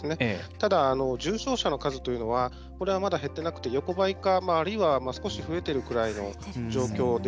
ただ、重症者の数というのはまだ減ってなくて横ばいか、あるいは少し増えているぐらいの状況で。